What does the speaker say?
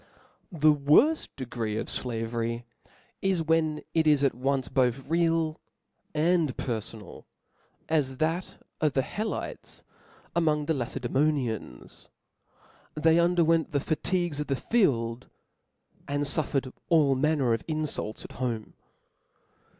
The worft degree of flavery is, when it is at once both real and perfonal, as that of the He lotes amdng the Lacedaemonians. They under went the fatigues of the field, and fufFered all manner of inlults iat home.